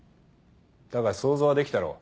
だが想像はできたろ？